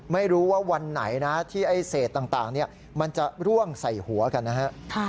ไม่รู้ว่าวันไหนนะที่ไอ้เศษต่างมันจะร่วงใส่หัวกันนะฮะ